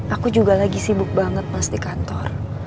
aku juga lagi sibuk banget mas di kantor